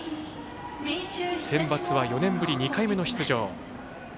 センバツは４年ぶり２回目の出場。